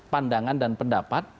pandangan dan pendapat